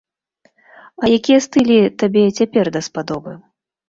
А якія стылі табе цяпер даспадобы?